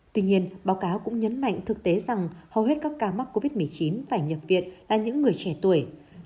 tuy nhiên báo cáo cũng nhấn mạnh thực tế rằng hầu hết các ca mắc covid một mươi chín phải nhập viện là những người trẻ tuổi